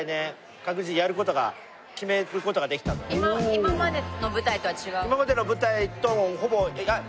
今までの舞台とは違う？